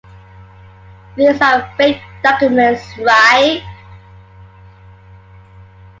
These are fake documents, right?